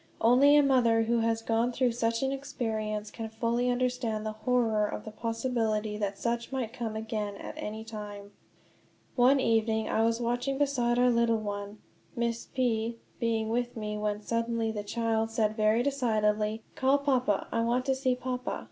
Only a mother who has gone through such an experience can fully understand the horror of the possibility that such might come again at any time. One evening I was watching beside our little one, Miss P being with me, when suddenly the child said very decidedly: "Call Papa; I want to see Papa."